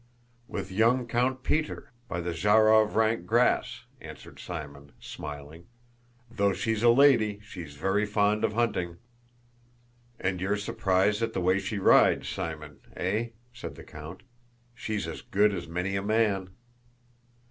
"With young Count Peter, by the Zhárov rank grass," answered Simon, smiling. "Though she's a lady, she's very fond of hunting." "And you're surprised at the way she rides, Simon, eh?" said the count. "She's as good as many a man!"